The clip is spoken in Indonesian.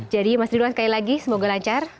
jadi mas ridwan sekali lagi semoga lancar